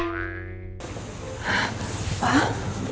apa dokter lisa